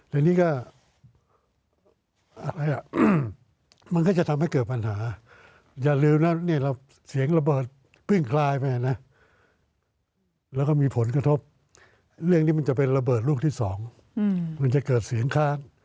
อันนี้ก็มันก็จะทำให้เกิดปัญหาอย่าลืมนะเนี่ยเราเสียงระเบิดพึ่งคลายไปนะแล้วก็มีผลกระทบเรื่องนี้มันจะเป็นระเบิดลูกที่สองมันจะเกิดเสียงค้าน